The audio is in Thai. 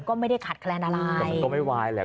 ก็ไม่ได้ขาดแคลนอะไร